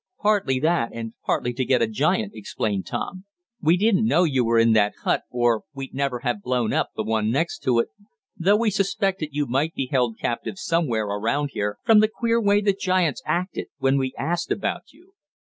"Partly that and partly to get a giant," explained Tom. "We didn't know you were in that hut, or we'd never have blown up the one next to it, though we suspected you might be held captive somewhere around here, from the queer way the giants acted when we asked about you."